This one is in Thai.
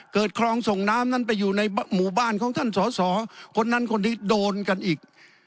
คลองส่งน้ำนั้นไปอยู่ในหมู่บ้านของท่านสอสอคนนั้นคนนี้โดนกันอีก